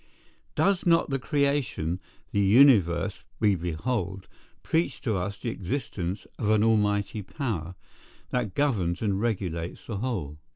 Does not the creation, the universe we behold, preach to us the existence of an Almighty power, that governs and regulates the whole?